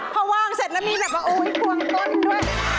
พอวางเสร็จแล้วมีแบบว่าโอ๊ยบวงต้นด้วย